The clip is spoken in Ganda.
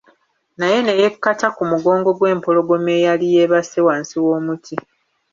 Naye ne yekkata ku mugongo gw'empologoma eyali yeebase wansi w'omuti.